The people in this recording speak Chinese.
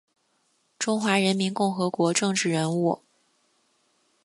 中华人民共和国政治人物。